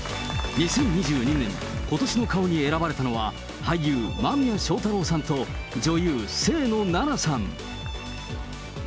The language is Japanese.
２０２２年今年の顔に選ばれたのは俳優、間宮祥太朗さんと、女優、清野菜名さん。